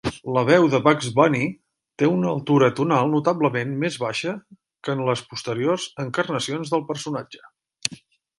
La veu de Bugs Bunny té una altura tonal notablement més baixa que en les posteriors encarnacions del personatge.